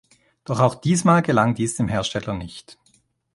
Doch auch diesmal gelang dies dem Hersteller nicht.